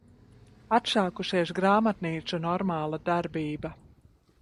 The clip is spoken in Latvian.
Atsākusies grāmatnīcu normāla darbība.